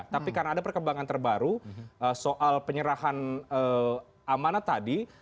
tapi karena ada perkembangan terbaru soal penyerahan amanat tadi